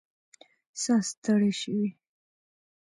ساه ستړې شوې